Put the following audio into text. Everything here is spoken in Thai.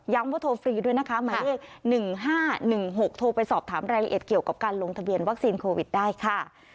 ว่าโทรฟรีด้วยนะคะหมายเลข๑๕๑๖โทรไปสอบถามรายละเอียดเกี่ยวกับการลงทะเบียนวัคซีนโควิดได้ค่ะ